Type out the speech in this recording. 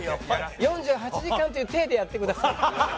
４８時間という体でやってください。